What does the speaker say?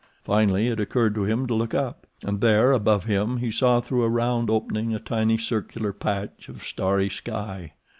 Finally it occurred to him to look up, and there above him he saw through a round opening a tiny circular patch of starry sky.